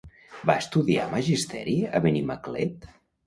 Va estudiar Magisteri a Benimaclet?